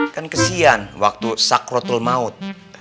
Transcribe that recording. kan kesian waktu sakratul maut